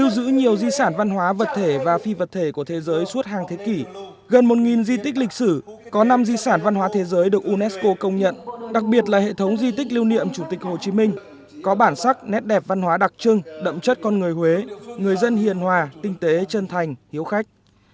di sản văn hóa vật thể và phi vật thể của thế giới suốt hàng thế kỷ gần một di tích lịch sử có năm di sản văn hóa thế giới được unesco công nhận đặc biệt là hệ thống di tích lưu niệm chủ tịch hồ chí minh có bản sắc nét đẹp văn hóa đặc trưng đậm chất con người huế người dân hiền hòa tinh tế chân thành hiếu khách